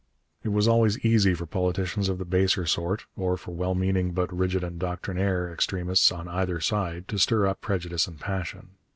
It was always easy for politicians of the baser sort, or for well meaning but rigid and doctrinaire extremists on either side, to stir up prejudice and passion.